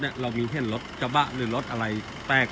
เนี้ยเรามรีนเข้นรถจบะหรือรถอะไรแปลก